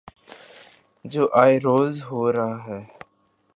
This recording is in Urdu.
جو آئے روز ہو رہا ہے۔